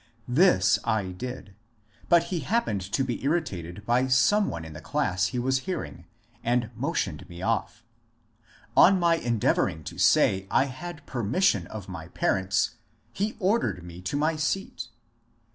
This I did, but he happened to be irri tated by some one in the class he was hearing and motioned me off. On my endeavouring to say I had permission of my parents, he ordered me to my seat.